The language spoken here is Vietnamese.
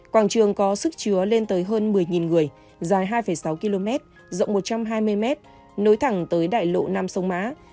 quảng trường có sức chứa lên tới hơn một mươi người dài hai sáu km rộng một trăm hai mươi m nối thẳng tới đại lộ nam sông má